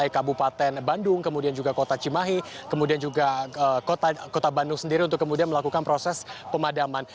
kabupaten bandung kemudian juga kota cimahi kemudian juga kota bandung sendiri untuk kemudian melakukan proses pemadaman